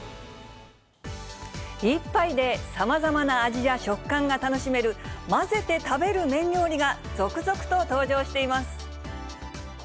一杯で、さまざまな味や食感が楽しめる、混ぜて食べる麺料理が続々と登場しています。